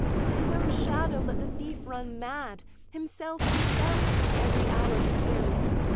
At his own shadow let the thief run mad, Himself himself seek every hour to kill!